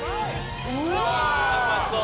うわうまそう。